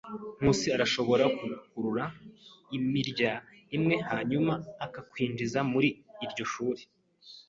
Nkusi arashobora kugukurura imirya imwe hanyuma akakwinjiza muri iryo shuri.